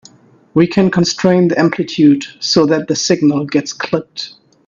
We can constrain the amplitude so that the signal gets clipped.